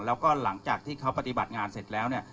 แล้วก็หลังจากที่เขาปฏิบัติงานเสร็จแล้วเนี่ย